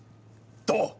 どう？